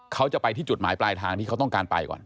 เขาจะไปที่จุดหมายปลายทางที่เขาต้องการไปก่อน